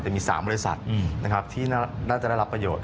แต่มี๓บริษัทที่น่าจะได้รับประโยชน